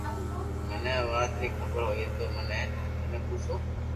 مني اي وات ري خبر ھوئي تو تني پوسو